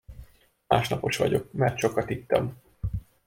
Másnapos vagyok, mert sokat ittam.